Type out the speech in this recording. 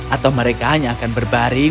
atau mereka hanya akan berbaring